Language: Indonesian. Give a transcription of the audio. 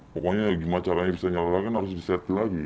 pokoknya gimana caranya bisa nyalakan harus diset lagi